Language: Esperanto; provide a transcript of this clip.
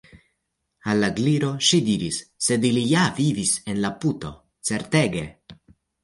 Al la Gliro ŝi diris: "Sed ili ja vivis en la puto. Certege! »